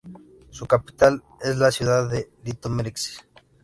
Su capital es la ciudad de Litoměřice.